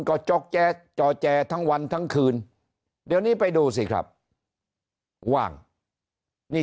ก็จ๊อกแจจอแจทั้งวันทั้งคืนเดี๋ยวนี้ไปดูสิครับว่างนี่